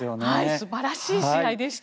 素晴らしい試合でした。